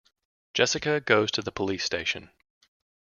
Jessica goes to the police station.